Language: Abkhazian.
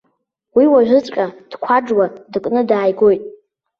Уи уажәыҵәҟьа дқәаџуа дыкны дааигоит!